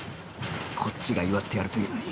こっちが祝ってやるというのに！